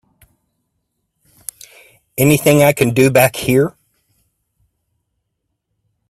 Anything I can do back here?